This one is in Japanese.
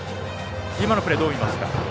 今のプレーどう見ますか？